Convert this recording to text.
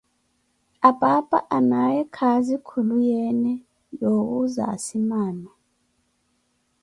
Apaapa anaaye khaazi khuluyeene yowuuza asimaana.